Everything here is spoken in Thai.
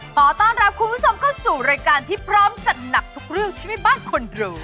ขอต้อนรับคุณผู้ชมเข้าสู่รายการที่พร้อมจัดหนักทุกเรื่องที่แม่บ้านควรรู้